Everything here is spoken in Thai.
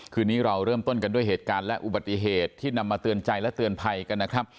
คืนนี้เราเริ่มต้นกันด้วยเหตุการณ์และอุบัติเหตุที่นำมาเตือนใจและเตือนภัยกันนะครับ